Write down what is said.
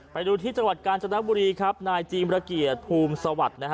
ไปดูที่จังหวัดกาญจนบุรีครับนายจีมระเกียรติภูมิสวัสดิ์นะฮะ